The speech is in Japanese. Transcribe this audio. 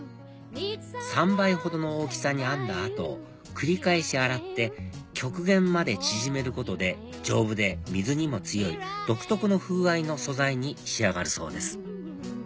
３倍ほどの大きさに編んだ後繰り返し洗って極限まで縮めることで丈夫で水にも強い独特の風合いの素材に仕上がるそうです